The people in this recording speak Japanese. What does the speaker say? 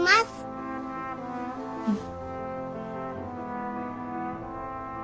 うん。